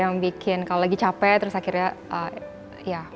ya yang bikin ini ya yang bikin kalau lagi capek terus akhirnya ya